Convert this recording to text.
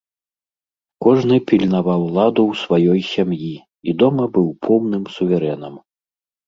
Кожны пільнаваў ладу ў сваёй сям'і і дома быў поўным суверэнам.